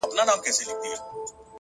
هوښیار انسان د تجربې ارزښت ساتي’